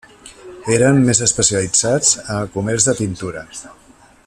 Eren més especialitzats en el comerç de tintura.